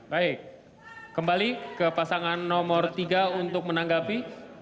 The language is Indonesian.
baik kembali ke pasangan nomor tiga untuk menanggapi